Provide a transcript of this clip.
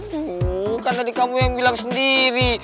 tuh kan tadi kamu yang bilang sendiri